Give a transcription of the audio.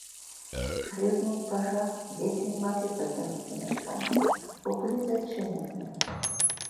Калі ўзнік пажар, дзеці не маглі пакінуць памяшкання, бо былі зачыненыя.